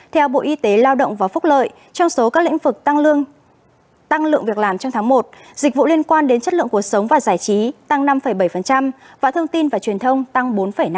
theo bộ y tế lao động và phúc lợi trong số các lĩnh vực tăng lượng việc làm trong tháng một dịch vụ liên quan đến chất lượng cuộc sống và giải trí tăng năm bảy và thông tin và truyền thông tăng bốn năm